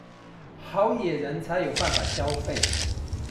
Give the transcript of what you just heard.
好野人才有辦法消費